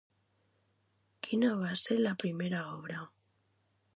Quina va ser la seva primera obra?